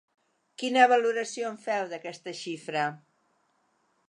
Quina valoració en feu, d’aquesta xifra?